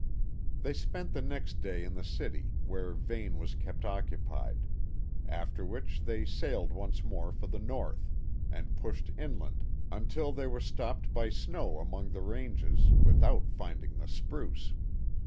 They spent the next week in the city, where Vane was kept occupied; after which they sailed once more for the north; and pushed inland until they were stopped by snow among the ranges, without finding the spruce.